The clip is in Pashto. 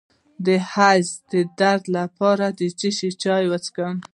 د حیض د درد لپاره د څه شي چای وڅښم؟